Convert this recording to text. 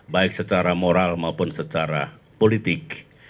baik secara moral maupun secara politik